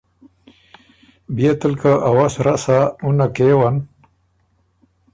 بيې تل که ا وست رسا اُنه کېون